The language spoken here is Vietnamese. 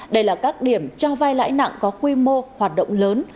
đây là các điểm cho vai lãi nặng có quy mô hoạt động lớn